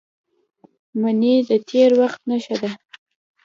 منی د تېر وخت نښه ده